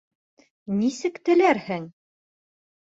Нисек тереләһең?